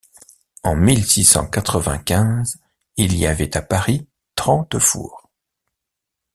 En mille six cent quatre-vingt-quinze, il y avait à Paris trente fours.